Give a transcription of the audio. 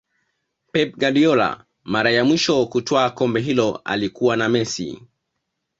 pep Guardiola mara ya mwisho kutwaa kombe hilo alikuwa na messi